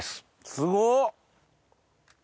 すごっ！